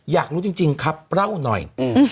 อยากรู้จริงครับเล่าหน่อย